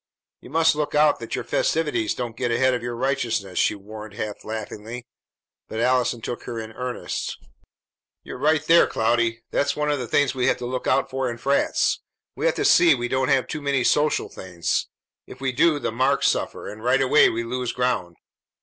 "You must look out that your festivities don't get ahead of your righteousness," she warned half laughingly; but Allison took her in earnest. "You're right there, Cloudy. That's one of the things we have to look out for in frats. We have to see we don't have too many social things. If we do, the marks suffer; and right away we lose ground.